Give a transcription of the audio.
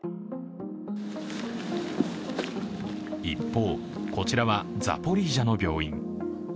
一方、こちらはザポリージャの病院。